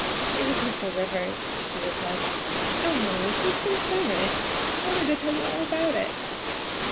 " It was Mr. Rivers," she replied, " and oh, Molly, he has been so nice. I wanted to tell you all about it.